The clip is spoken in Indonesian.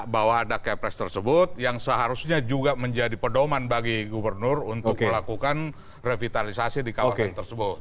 bahwa ada kepres tersebut yang seharusnya juga menjadi pedoman bagi gubernur untuk melakukan revitalisasi di kawasan tersebut